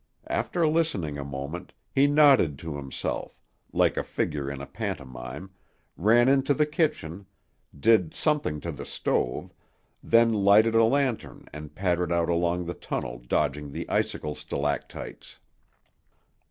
After listening a moment, he nodded to himself, like a figure in a pantomime, ran into the kitchen, did something to the stove, then lighted a lantern and pattered out along the tunnel dodging the icicle stalactites.